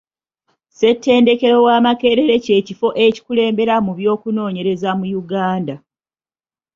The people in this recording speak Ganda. Ssetendekero wa Makerere kye kifo ekikulembera mu by'okunoonyereza mu Uganda.